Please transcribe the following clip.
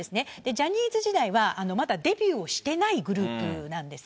ジャニーズ時代は、まだデビューをしていないグループなんです。